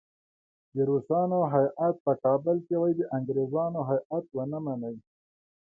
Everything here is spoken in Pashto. د روسانو هیات په کابل کې وي د انګریزانو هیات ونه مني.